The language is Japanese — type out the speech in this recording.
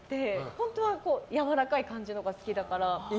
本当はやわらかい感じのが好きだから。